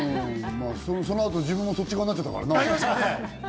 そのあと自分もそっち側になっちゃったからな。